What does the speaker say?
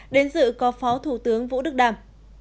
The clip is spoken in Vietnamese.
đến dự có phó thủ tướng vũ đức đam